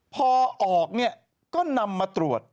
พอออกเนี่ยก็นำมาตรวจ